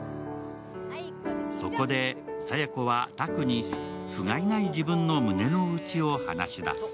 そこで佐弥子は拓に、ふがいない自分の胸のうちを話しだす。